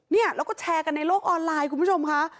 เนี่ยแล้วก็แชร์กันในโลกออนไลน์คุณผู้ชมค่ะ